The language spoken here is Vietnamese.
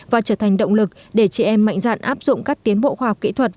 và trở thành động lực để chị em mạnh dạn áp dụng các tiến bộ khoa học kỹ thuật